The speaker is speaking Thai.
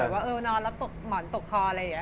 หรือว่านอนแล้วหมอนตกคออะไรอย่างเงี้ย